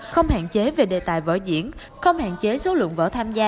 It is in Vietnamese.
không hạn chế về đề tài vỡ diễn không hạn chế số lượng vỡ tham gia